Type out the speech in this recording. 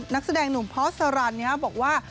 นักแสดงหนุ่มพอสรันบอกว่า